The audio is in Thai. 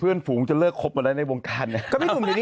เพื่อนฝูงจะเลิกคบมาได้ในวงการ